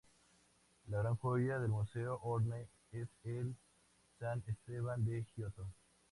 La gran joya del Museo Horne es el "San Esteban" de Giotto.